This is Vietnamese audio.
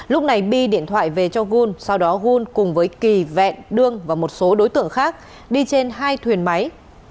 lúc này bi điện thoại về cho gun sau đó gun cùng với kỳ vẹn đương và một số đối tượng khác đi trên hai thuyền máy